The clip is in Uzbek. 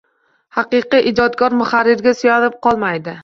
Haqiqiy ijodkor muharrirga suyanib qolmaydi